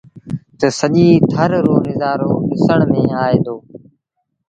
تا سڄي ٿر رو نزآرو ڏسڻ ميݩ آئي دو۔